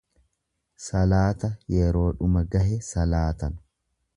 Salaata yeroo dhuma gahe salaatan.